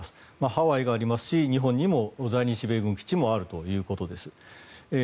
ハワイがありますし日本にも在日米軍基地もあるということです。